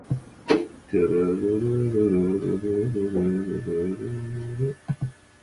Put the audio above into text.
Horton is well known for his study of maximum runoff and flood generation.